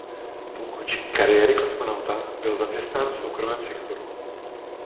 Po ukončení kariéry kosmonauta byl zaměstnán v soukromém sektoru.